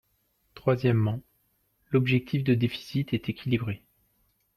Troisièmement, l’objectif de déficit est équilibré.